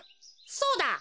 そうだ。